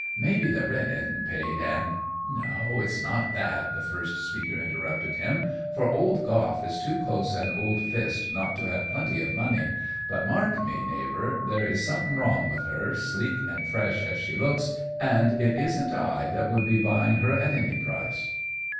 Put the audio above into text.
May be the rint isn't paid, and " "No, it's not that," the first speaker interrupted him, "for old Goff is too close an old fist not to have plenty of money; but mark me, Neighbour, there's something wrong with her, sleek and fresh as she looks, and it isn't I that would be buying her at any price."